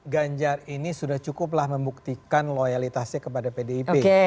ganjar ini sudah cukuplah membuktikan loyalitasnya kepada pdip